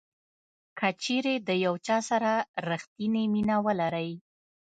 کچیرې د یو چا سره ریښتینې مینه ولرئ.